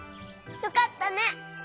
よかったね！